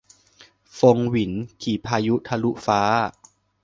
ฟงหวิน ขี่พายุทะลุฟ้า